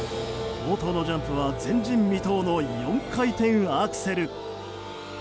冒頭のジャンプは前人未到の４回転アクセル。